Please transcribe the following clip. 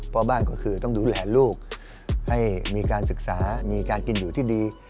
พ่อบ้านก็คือต้องดูแลลูกให้มีการศึกษามีการกินอยู่ที่ดี